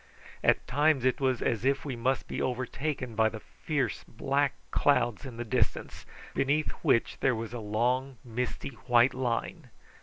At times it was as if we must be overtaken by the fierce black clouds in the distance, beneath which there was a long misty white line.